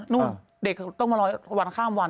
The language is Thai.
เด็กต้องมารอวันข้ามวัน